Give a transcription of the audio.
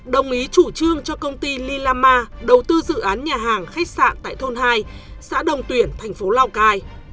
đồng ý chủ trương cho công ty lila ma đầu tư dự án nhà hàng khách sạn tại thôn hai xã đồng tuyển thành phố lào cai